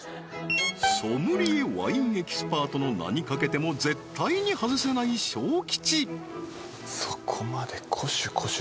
ソムリエワインエキスパートの名に懸けても絶対に外せないＳＨＯＫＩＣＨＩ